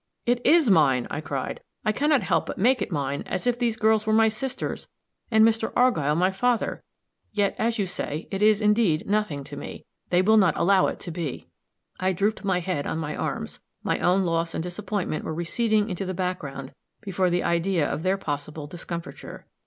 "It is mine!" I cried; "I can not help but make it mine, as if these girls were my sisters, and Mr. Argyll my father. Yet, as you say it is, indeed, nothing to me. They will not allow it to be!" I drooped my head on my arms; my own loss and disappointment were receding into the background before the idea of their possible discomfiture.